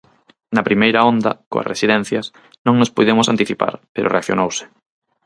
Na primeira onda, coas residencias, non nos puidemos anticipar, pero reaccionouse.